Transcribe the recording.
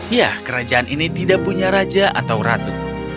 ya kerajaan ini tidak punya raja atau ratu